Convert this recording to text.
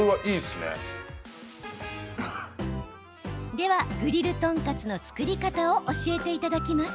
では、グリル豚カツの作り方を教えていただきます。